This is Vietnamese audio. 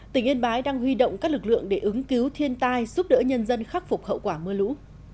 tỉnh yên bái đang huy động các lực lượng để ứng cứu thiên tai giúp đỡ nhân dân khắc phục hậu quả mưa lũ